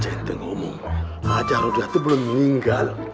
aja ente ngomong aja roda itu belum meninggal